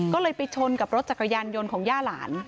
ก็เลยไปชนกับรถจักรยานยนต์ของย่าหลาน